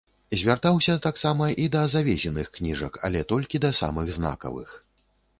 Звяртаўся таксама і да завезеных кніжак, але толькі да самых знакавых.